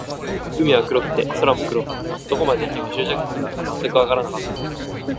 海は黒くて、空も黒かった。どこまで行けば、終着点なのか全くわからなかった。